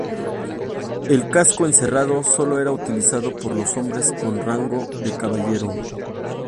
El casco encerrado sólo era utilizado por los hombres con rango de caballero.